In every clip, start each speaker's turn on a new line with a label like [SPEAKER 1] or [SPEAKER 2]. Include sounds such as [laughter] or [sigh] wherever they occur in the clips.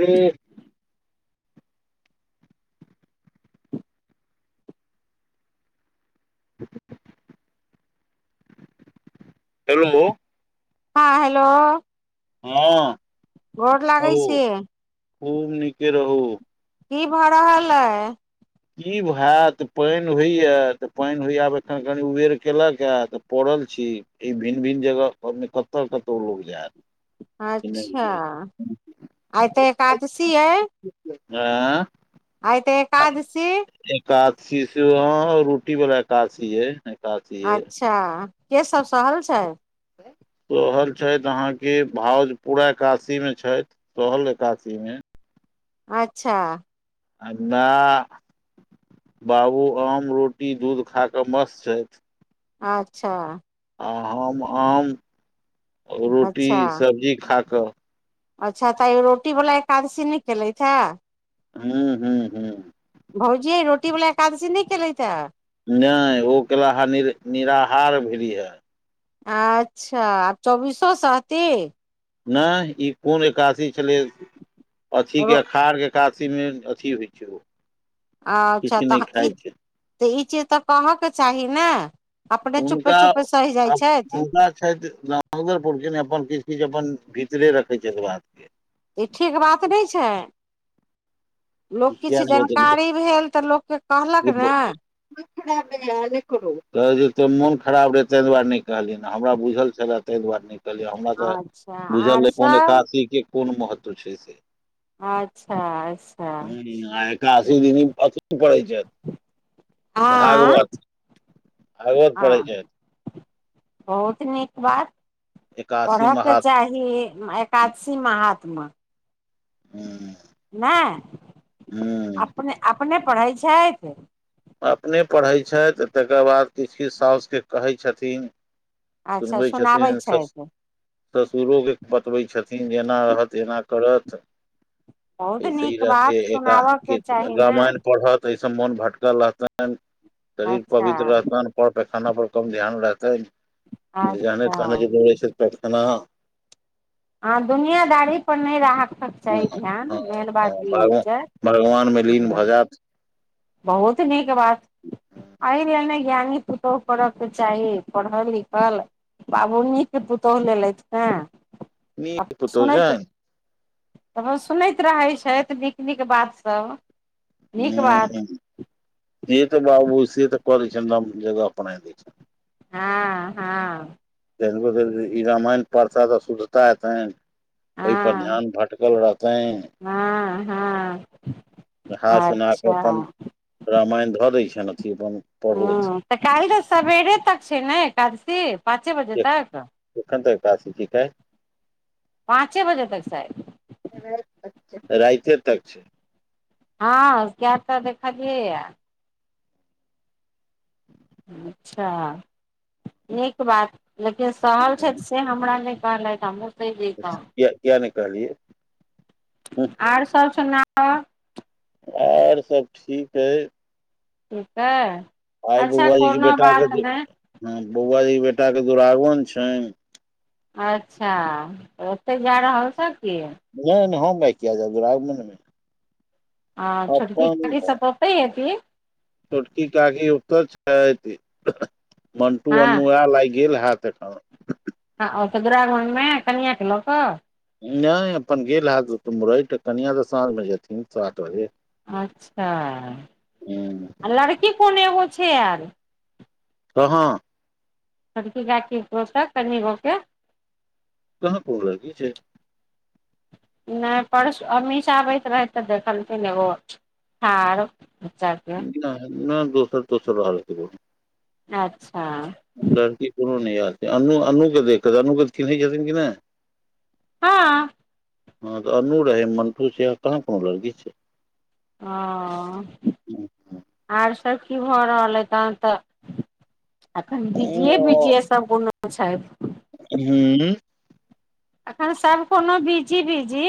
[SPEAKER 1] Hello [inaudible] hello.
[SPEAKER 2] हाँ hello.
[SPEAKER 1] हाँ।
[SPEAKER 2] गोर लागै छी।
[SPEAKER 1] खूब नीके रहू
[SPEAKER 2] की भऽ रहल अए
[SPEAKER 1] की हैत पैएन होइया तऽ पैएन होइए आब एखन कनी उबेर केलक ह तऽ पड़ल छी ई भिन भिन जगह कत कतौ लोग जायत ई नहि
[SPEAKER 2] अच्छा
[SPEAKER 1] बुझै
[SPEAKER 2] आई तऽ एकादशी अई
[SPEAKER 1] आँ
[SPEAKER 2] आइ ते
[SPEAKER 1] आ
[SPEAKER 2] एकादशी
[SPEAKER 1] एकादशी सेहो हह रोटी वाला एकादशी ये एकादशी ये
[SPEAKER 2] अच्छा के सब सहल छैय
[SPEAKER 1] सहल छैथ अहा कऽ भाउज पूरा एकादशी मे छैथ तोहल एकादशी मे
[SPEAKER 2] अच्छा
[SPEAKER 1] आ मैय बाबू आम रोटी दूध खा कऽ मस्त छैथ
[SPEAKER 2] अच्छा
[SPEAKER 1] आ हम आम रोटी
[SPEAKER 2] अच्छा
[SPEAKER 1] सब्जी खा कऽ
[SPEAKER 2] अच्छा तऽ आई रोटी बला एकादशी नय केलेथ हन
[SPEAKER 1] हूं हूं हूं
[SPEAKER 2] भौजी रोटी बला एकादशी नय केलेथ हऽ
[SPEAKER 1] नय ओ केला अह नि निराहार भेलीह
[SPEAKER 2] अच्छा आब चौबीसो सहती
[SPEAKER 1] नएह ई कोन एकादशी छलै अथी के अखार के एकादशी सी में अथी होइ छै ओ
[SPEAKER 2] अच्छा
[SPEAKER 1] किछु नहि
[SPEAKER 2] तऽ ई
[SPEAKER 1] खाइ छै
[SPEAKER 2] तऽ ई चीज तऽ कहयके चाही नै अपने चुपे चुप सहय जाइ छैथ
[SPEAKER 1] छैथ [unintelligible] अपन किछ चीज अपन भीतरे रखे छैथ बात के
[SPEAKER 2] इ ठीक बात नय छैय लोक किछ
[SPEAKER 1] किया नहि बतेलियै
[SPEAKER 2] जानकारी भेल तऽ लोक के कहलक ने
[SPEAKER 1] मोन खराब रहे तैं दुआरे नय कहलिय हमरा बुझल छले तैं दुआरे नै कहलिय हमरा तऽ
[SPEAKER 2] अच्छा
[SPEAKER 1] बुझल
[SPEAKER 2] आर
[SPEAKER 1] रहे कौन
[SPEAKER 2] सब
[SPEAKER 1] कशी के कोन महत्व छै से
[SPEAKER 2] अच्छा
[SPEAKER 1] हूं एकादशी दिन अथि परहेत छैथ
[SPEAKER 2] आँ
[SPEAKER 1] भागवत भागवत पढेत
[SPEAKER 2] हँ
[SPEAKER 1] छैथ
[SPEAKER 2] बहुत नीक बात
[SPEAKER 1] एकासी
[SPEAKER 2] पढ़ऽके
[SPEAKER 1] महात्म
[SPEAKER 2] चाही एकादशी मे महात्म
[SPEAKER 1] हूँ
[SPEAKER 2] नय अपने अपने पढ़ैत छैथ
[SPEAKER 1] अपने पढ़ैत छैथ तकर बाद किछ किछ सासुकेँ कहै छथिन
[SPEAKER 2] अच्छा
[SPEAKER 1] सुनबै
[SPEAKER 2] सुनाबै
[SPEAKER 1] छथिन सस
[SPEAKER 2] छथि
[SPEAKER 1] ससुरोके बतबै छथिन जे एना रहत एना करत
[SPEAKER 2] बहुत
[SPEAKER 1] ऐय से इ
[SPEAKER 2] नीक बात सुनाबऽ के
[SPEAKER 1] रहते
[SPEAKER 2] चाही ने
[SPEAKER 1] रामायण पढ़त तास मोन भटकल रहतेन शरीर
[SPEAKER 2] अच्छा
[SPEAKER 1] पवित्र रहतेन पर पैखाना पर कम ध्यान रहतै जने
[SPEAKER 2] अच्छा
[SPEAKER 1] तने बोलै छै पैखाना
[SPEAKER 2] अहाँ दुनियादारी पर नय राहक सक
[SPEAKER 1] ह
[SPEAKER 2] चाही ध्यान
[SPEAKER 1] ह
[SPEAKER 2] मेन बात ई होइ
[SPEAKER 1] भगवान
[SPEAKER 2] छै
[SPEAKER 1] भगवान मे लीन
[SPEAKER 2] हँ
[SPEAKER 1] भऽ जायत
[SPEAKER 2] बहुत नीक बात एहि लेल नै ज्ञानी पुतौह कर के चाही पढ़ल लिखल। बाबुनीके पुतौहु लेलथि ने
[SPEAKER 1] नीक पुतहु
[SPEAKER 2] सुनैत।
[SPEAKER 1] छैन
[SPEAKER 2] त ओ सुनैत रहैत छथि। नीक नीक बात सब। नीक
[SPEAKER 1] हूँ
[SPEAKER 2] बात
[SPEAKER 1] हूँ से तऽ बाबू से तऽ कलै [unintelligible] छै
[SPEAKER 2] हँ हँ।
[SPEAKER 1] ई रामायण पढता तऽ शुद्धता एतनि ओई पर
[SPEAKER 2] हँ
[SPEAKER 1] ध्यान भटकल रहत। तैन
[SPEAKER 2] हँ हँ।
[SPEAKER 1] नहा सुना कऽ
[SPEAKER 2] अच्छा
[SPEAKER 1] अपन रामायण धऽ दै। छनि अथी पन।
[SPEAKER 2] हँ तऽ काल्हि तऽ सबेरे तक छै। ने एकादशी पाँचे बजे तक
[SPEAKER 1] केखन तक एकादशी छै काल्ह
[SPEAKER 2] पाँचे बजे तक शाय
[SPEAKER 1] रइते तक छै।
[SPEAKER 2] हँ क्या तऽ देखलियैया
[SPEAKER 1] [inaudible]
[SPEAKER 2] अच्छा नीक बात लेकिन सहल छैथ से हमरा नै ब ल त हम [unintelligible]
[SPEAKER 1] किया किया नै कहलियै हूँ।
[SPEAKER 2] आर सब सुनाक
[SPEAKER 1] आओर सब ठीक अइ।
[SPEAKER 2] ठीक हाय
[SPEAKER 1] आइ बौआ जी के बेटाके हँ बौआ जी के बेटाके दुरागमन छनि।
[SPEAKER 2] अच्छा ओतय जा रहल छैथ की।
[SPEAKER 1] नै नै हम आई किया जाब दुरागममे
[SPEAKER 2] आ छोटकी [unintelligible] सबत उतै हेती
[SPEAKER 1] छोटकी काकी उत छैथ मन्टु
[SPEAKER 2] हँ
[SPEAKER 1] अन्नु आई गेल हैत एठँ
[SPEAKER 2] हँ ओ तऽ दुरागनमे कनियँके लऽ कऽ
[SPEAKER 1] नै अपन गेल हेए ओ तऽ मुरै त कनयाँ तऽ साँझमे जेथिन सात बजे।
[SPEAKER 2] अच्छा
[SPEAKER 1] हूँ
[SPEAKER 2] आ लड़की कोन एगो छै। आएल
[SPEAKER 1] क हाँ
[SPEAKER 2] बड़की काकी [unintelligible] कनि गो के
[SPEAKER 1] कहाँ फोन लड़की छै [unintelligible]
[SPEAKER 2] नै परसू अमीशा आबैत रहै तऽ देखलकै ने ओ हँ आरो [unintelligible]
[SPEAKER 1] नहि नहि दोसर दोसरो हालथब [unintelligible]
[SPEAKER 2] अच्छा।
[SPEAKER 1] लड़की कोनो नै याद अन्नू अन्नूके देख क अन्नूकेऽ चिन्है छथिन कि नै।
[SPEAKER 2] हँ
[SPEAKER 1] हँ तऽ अन्नू रहै मंटू छै आर कहाँ कोनो लड़की छै
[SPEAKER 2] हँ आर सब की भऽ रहल अइ तहन तऽ एखन बिजिए
[SPEAKER 1] हूँ
[SPEAKER 2] बिजिए सब [unintelligible] छैथ
[SPEAKER 1] हूँ
[SPEAKER 2] एखन सब कोनो बिजी बिजी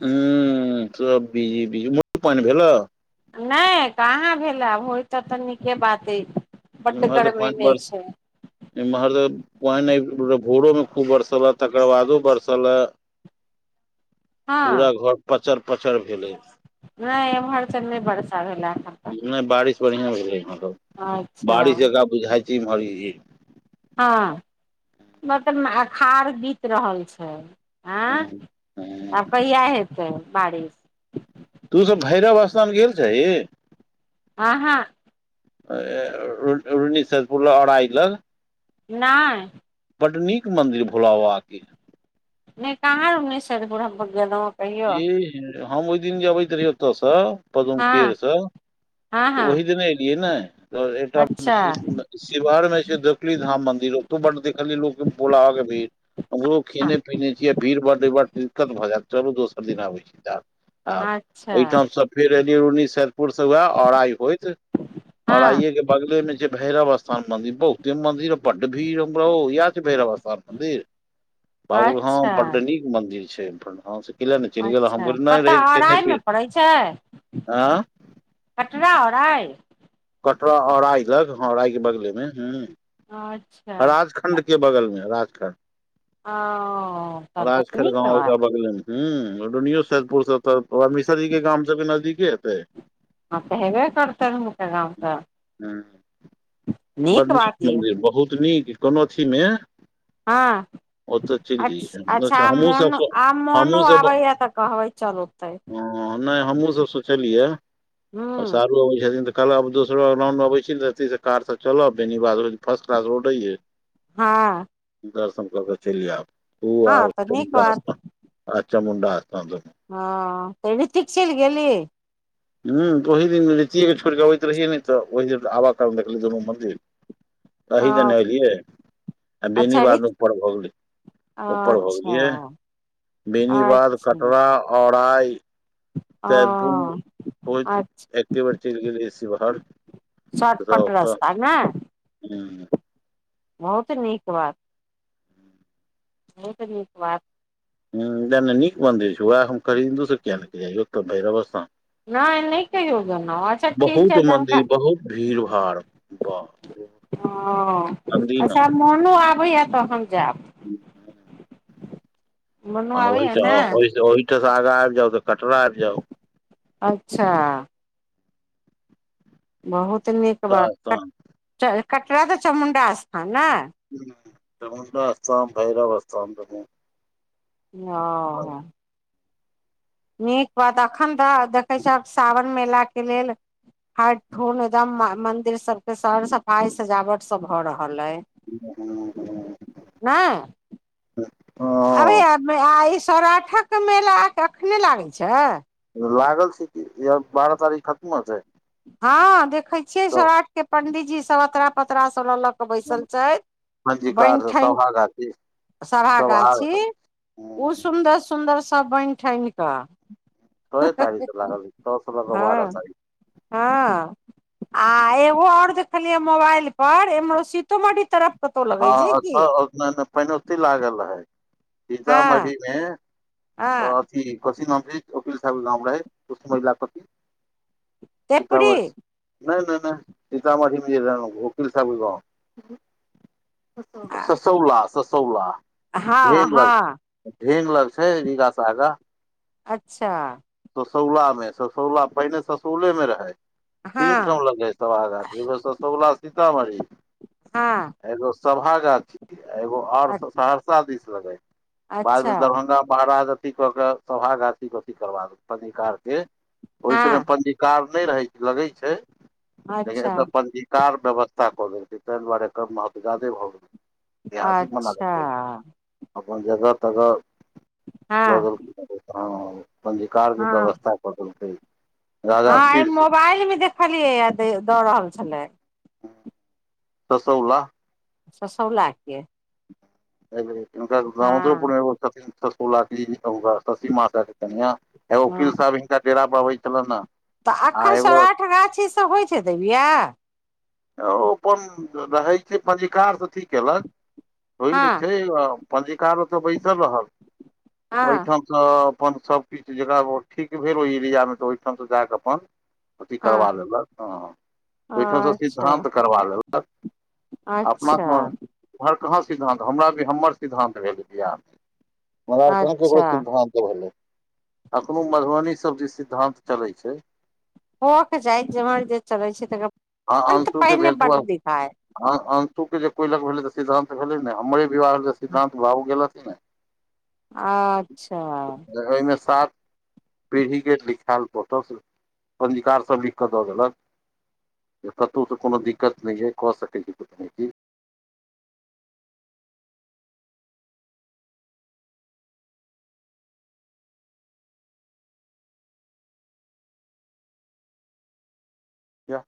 [SPEAKER 1] [unintelligible] सब बिजी बीज उमहरो पाइन भेलै
[SPEAKER 2] नै कहाँ भेला हो तऽ तऽ नीके बात ऐ बड गर्मेने छै
[SPEAKER 1] [unintelligible] पाइन [unintelligible] भोरो में खूब बरसल तकर बादो बरसल अ
[SPEAKER 2] [unintelligible]
[SPEAKER 1] पूरा घर पचर पचर भेल ए
[SPEAKER 2] नै एमहर तऽ नै बर्षा भेलै हन
[SPEAKER 1] नै बारिश बड़ियाँ भेलै एम्हरौ [inaudible]
[SPEAKER 2] अच्छा
[SPEAKER 1] बारिश जेका बुझा छी इम्हर इ
[SPEAKER 2] हँ [inaudible] मतलब अखार बीत रहल छै आँ [inaudible] आब कहिया हेतै बारिश
[SPEAKER 1] तू सब भैरव स्थान गेल छही
[SPEAKER 2] आ हँ
[SPEAKER 1] [unintelligible]
[SPEAKER 2] नै
[SPEAKER 1] बड नीक मन्दिर भोला बाबा केँ
[SPEAKER 2] नै कहाँ [unintelligible]
[SPEAKER 1] ई हम ओइ दिन जे अबैत रहिय ओ तऽ स [unintelligible]
[SPEAKER 2] हँ हँ
[SPEAKER 1] तऽ
[SPEAKER 2] हँ
[SPEAKER 1] ओहि दिने एलियै नै त एकटा
[SPEAKER 2] अच्छा
[SPEAKER 1] [unintelligible] शिवहर में छै दोकली धाम मंन्दिर ओतौ बड देखली लोक भोला बाबा केँ भीड़ अम्हरो खेने पिने छियै भीड़ बड दिक्कत भऽ चलू दोस सब दिन अब जेना आबै [unintelligible]
[SPEAKER 2] अच्छा
[SPEAKER 1] ओइठाम स फेर एलिय अनी सैयद पुर स वैह औराई होइत [inaudible]
[SPEAKER 2] हँ
[SPEAKER 1] औराइए केँ बगले में छै भैरव स्थान मंदिर बहु जे मन्दिर बड भीड़ हम रो इहै छै भैरवस्थान मन्दिर बाबुल हँ
[SPEAKER 2] अच्छा
[SPEAKER 1] बड नीक मंदिर छै एखन हऽ स
[SPEAKER 2] अच्छा कतऽ अराइमे
[SPEAKER 1] पीने
[SPEAKER 2] पड़ै छै
[SPEAKER 1] आँ
[SPEAKER 2] कटरा औराइ
[SPEAKER 1] कटरा औराइ लग हऽ राइ केँ बगले में हुं
[SPEAKER 2] [unintelligible]
[SPEAKER 1] राजखण्ड केँ बगल में राजखण्ड
[SPEAKER 2] [unintelligible]
[SPEAKER 1] राजखैर
[SPEAKER 2] नीक
[SPEAKER 1] गाँव ओकरा
[SPEAKER 2] बात
[SPEAKER 1] बगले में हु रुनियो सैदपुर सँ तऽ मिसर जी केँ गाम स नजदीके हेतै
[SPEAKER 2] हऽ तऽ हेबे करतै हुनकर गाम स
[SPEAKER 1] हुं [inaudible] बड़ नीक
[SPEAKER 2] बात य
[SPEAKER 1] लगलैय बहुत नीक कोनो अथी में
[SPEAKER 2] हँ [inaudible] अछ अच्छा
[SPEAKER 1] हमहुँ सब
[SPEAKER 2] मोनो
[SPEAKER 1] सो-
[SPEAKER 2] आ मोनो आबै यऽ तऽ कहबै चलू
[SPEAKER 1] [unintelligible] नै हमहुँ सब सोचलियै
[SPEAKER 2] हु
[SPEAKER 1] अब सारू अबै छथिन तऽ कल आब दोसो रउड अबै छी ऐथी से कार सब चलब बेनिवाद होइत फर्स्ट क्लास रोड ऐ
[SPEAKER 2] हँ।
[SPEAKER 1] दर्शन कऽ केँ चैल
[SPEAKER 2] हँ तऽ नीक बात
[SPEAKER 1] जैब [unintelligible] आ चामुंडा स्थान देने
[SPEAKER 2] हँ तऽ रितिक चैल गेली।
[SPEAKER 1] ह तऽ ओहि दिन रितिय छोड़ कऽ अबैत रहियै न तऽ ओहि दिन आब काल देखलै दुनू मंन्दिर।
[SPEAKER 2] ओ
[SPEAKER 1] अही दने एलियै। आ बेनी
[SPEAKER 2] अच्छा ऋत
[SPEAKER 1] बादमे ऊपर भ गेल। ऊपर भ
[SPEAKER 2] अच्छा
[SPEAKER 1] गेलियै। बेनी बाद कटरा औराई।
[SPEAKER 2] हॅं।
[SPEAKER 1] होयत एके बेर चैल गेलीयै सीवहर
[SPEAKER 2] शॉर्टकट
[SPEAKER 1] ओतऽ
[SPEAKER 2] रास्ता ने
[SPEAKER 1] हुॅं
[SPEAKER 2] बहुत नीक बात। बहुत नीक बात
[SPEAKER 1] ह वेह न नीक मंदिर छै। वएह हम कहलीयै तु किया नै जाय छी भैरवस्था
[SPEAKER 2] नहि नहि कहियो गेलहुँ अच्छा ठीक छै
[SPEAKER 1] बहुत
[SPEAKER 2] जानका
[SPEAKER 1] मन्दिर बहुत भीड़ भाड़ बा। अनदीना
[SPEAKER 2] [unintelligible] नो आबैया तऽ हम जेएब
[SPEAKER 1] हुॅं
[SPEAKER 2] मोनू
[SPEAKER 1] आ
[SPEAKER 2] आबैया ने
[SPEAKER 1] ओहि ओहिठ से आगाँ आइब जाउ तऽ कटरा आइब जाउ
[SPEAKER 2] अच्छा। बहुत नीक बात
[SPEAKER 1] उग्रतारा स्थान
[SPEAKER 2] कटरा तऽ चामुण्डा स्थान ने
[SPEAKER 1] चामुंडा स्थान [unintelligible] भैरवस्थान [inaudible]
[SPEAKER 2] हँ हॅं नीक बात एखन तऽ देखै छियै सावन मेलाके लेल। हर ठुन एकदम मंदिर सब के सर सफाई सजावट सब भ रहल अय
[SPEAKER 1] ह [inaudible]
[SPEAKER 2] [unintelligible] आ ई सौराठक के मेला अखने लागे छै।
[SPEAKER 1] लागल छै। क यार बारह तारीख खत्म हेतै
[SPEAKER 2] हँ देखै छियै। सौराठ के पंडीजी सब अतरा पतरा सब ललक
[SPEAKER 1] [unintelligible] मधकार सभागाछी
[SPEAKER 2] सभागाछी ओ सुन्दर सुन्दर सभ बैन ठैन कऽ
[SPEAKER 1] छये तारीक स लागल छ स लकऽ बारह
[SPEAKER 2] हँ
[SPEAKER 1] तक
[SPEAKER 2] हँ आ एगो आओर‌जे देखलीयै मोबाइल पर एम-सीतोमढ़ी तरफ कतौ
[SPEAKER 1] ह
[SPEAKER 2] लगै छै की
[SPEAKER 1] [unintelligible] पैने ओतै लागल रहै
[SPEAKER 2] हँ
[SPEAKER 1] सीतामढ़ीमे क
[SPEAKER 2] हँ
[SPEAKER 1] ज कथी नाम छै। ककिल साहब केगाम रहै कुष महिला कथी [inaudible]
[SPEAKER 2] तेपरी
[SPEAKER 1] वट नै नै नै सीतामढ़ीमे जे रह वोकील साहब के गांव
[SPEAKER 2] हँ
[SPEAKER 1] ससौला ससौला ढेक लग
[SPEAKER 2] हँ
[SPEAKER 1] ढेंग लग छै। रीगा स आगा
[SPEAKER 2] अच्छा।
[SPEAKER 1] ससौला मे ससौला पहिने ससौले मे रहै। तीनठाम
[SPEAKER 2] हँ
[SPEAKER 1] लगै सभागाछी एगो ससौला सीतामढ़ी
[SPEAKER 2] हँ
[SPEAKER 1] एगो सभा गाछी एगो आओर सहरसा दिस लगे बाद मे
[SPEAKER 2] अच्छा
[SPEAKER 1] दरभंगा महाराज अथी क के सभाागाथी अथी करबा दे पंजिकार के ओहि समय
[SPEAKER 2] हँ
[SPEAKER 1] पंजी कार नै रहै छै। लगै छै। लेकिन
[SPEAKER 2] अच्छा
[SPEAKER 1] एत पंजी कार व्यवस्था कऽ देलकै तऽ द्वारे कम महत्व जादे भऽ गेलै इतिहासिक
[SPEAKER 2] अच्छा
[SPEAKER 1] [unintelligible] अपन जगह तगह दऽ
[SPEAKER 2] हँ
[SPEAKER 1] देलखिन। पञ्जीकार के
[SPEAKER 2] हँ
[SPEAKER 1] व्यवस्था कऽ देलकै
[SPEAKER 2] हँ
[SPEAKER 1] राजा
[SPEAKER 2] एहि
[SPEAKER 1] शीर्ष
[SPEAKER 2] मोबाइल मे देखलियै दऽ रहल छलै
[SPEAKER 1] तसौला
[SPEAKER 2] ससौला के
[SPEAKER 1] नक हुनका
[SPEAKER 2] हँ
[SPEAKER 1] गाउदोपुर मे एगो तसौला त सीमा के कनिय- त
[SPEAKER 2] ह
[SPEAKER 1] वकील साहब हिनका डेरा पर आबै तलय न
[SPEAKER 2] तऽ एखन सराठ गाछी स होइ छै देबिया
[SPEAKER 1] आ ओपन रहैय छै पञ्जिकार अथी केलक होय
[SPEAKER 2] हँ
[SPEAKER 1] नय छै अ पञ्जिकारो ओत बैसल रहल
[SPEAKER 2] हँ
[SPEAKER 1] ओयठाम अ अपन सबकिछ जकरा पर ठीक भेल ओहि इरिया मे तऽ ओहिठाम से जाकऽ अपन अथी
[SPEAKER 2] हँ
[SPEAKER 1] करबा लेलक ह ओठन से
[SPEAKER 2] अच्छा
[SPEAKER 1] कम त करबा लेलक अपना
[SPEAKER 2] अच्छा
[SPEAKER 1] कौन उम्हर कहाँ सिद्धानंत हमरा आर कऽ हमर सिद्धानंत भेल बिआह मे मगर कहाँ केकरो
[SPEAKER 2] अच्छा
[SPEAKER 1] सिद्धान्त भेलै अखनो मधुबनीसभ दिस सिद्धान्त चलै छै
[SPEAKER 2] होक जाइ जिम्हर जे चलै छै ते
[SPEAKER 1] ह अंशू के भेल अंशू के जे कोई लग भेले त सिद्धांत भेले नहि हमरे [unintelligible] सिद्धांत भाव गेल हतिन न
[SPEAKER 2] अच्छा
[SPEAKER 1] जगय मे सात पीढ़ी कऽ लिखायल फोटो पञ्जीकार सब लिखके दऽ देलक जे कतहुसँ कोनो दिक्कत नय खे क सकै छी कुठनैती या